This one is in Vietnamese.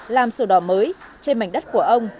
làm sổ đỏ mới trên mảnh đất của ông